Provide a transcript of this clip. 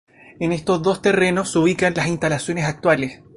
En estos dos terrenos se ubican las instalaciones actuales.